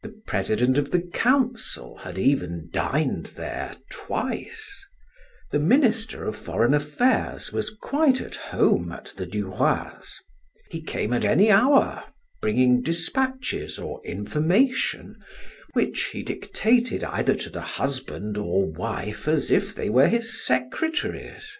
The president of the council had even dined there twice; the minister of foreign affairs was quite at home at the Du Roys; he came at any hour, bringing dispatches or information, which he dictated either to the husband or wife as if they were his secretaries.